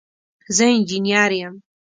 زه انجنیر یم